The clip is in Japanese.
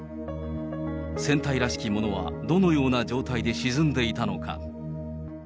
船体らしきものはどのような状態で沈んでいたのか。